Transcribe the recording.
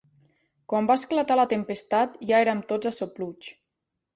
Quan va esclatar la tempestat, ja érem tots a sopluig.